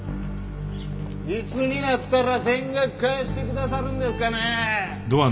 いつになったら全額返してくださるんですかね？